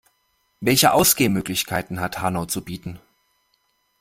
Welche Ausgehmöglichkeiten hat Hanau zu bieten?